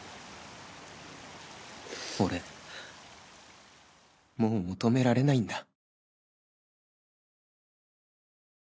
俺もう求められないんだ